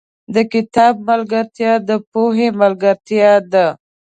• د کتاب ملګرتیا، د پوهې ملګرتیا ده.